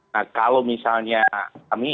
nah kalau misalnya kami ya dari indikator ke pemerintah